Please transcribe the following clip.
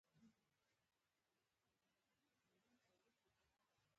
هنرمندانو له واقعي عالم څخه خیالي دنیا ته مخه کړه.